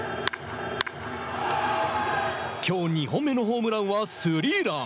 きょう２本目のホームランはスリーラン。